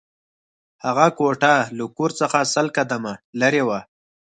هغه کوټه له کور څخه سل قدمه لېرې وه